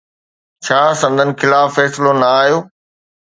ڇا سندن خلاف فيصلو نه آيو؟